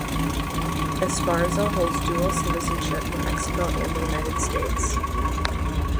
Esparza holds dual citizenship for Mexico and the United States.